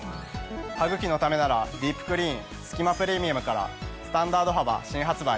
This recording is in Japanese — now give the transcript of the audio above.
「歯ぐきのためならディープクリーンすき間プレミアム」からスタンダード幅新発売。